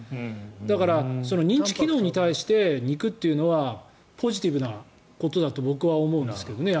だから認知機能に対して肉というのはポジティブなことだと僕は思うんですけどね。